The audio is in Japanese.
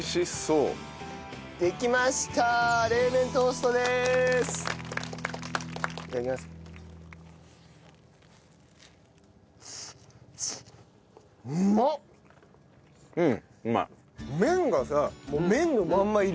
うん。